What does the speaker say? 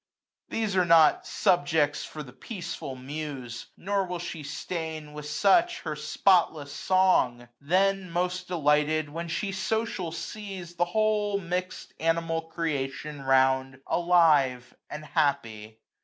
These are not subjects for the peaceful muse, Nor will she stain with such her spotless song ; 380 Then most delighted, when she social sees The whole mix'd animal creation round t}6 A U T U M N. Alive, and happy.